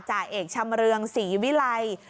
จ่าเอกชำเรืองศรีวิลัย